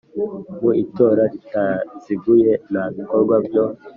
Mu itora ritaziguye nta bikorwa byo